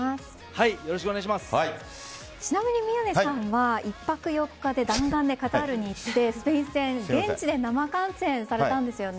ちなみに宮根さんは１泊４日で弾丸でカタールに行ってスペイン戦現地で生観戦されたんですよね。